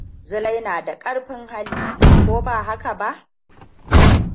Zulai na da ƙarfin hali, ko ba haka ba?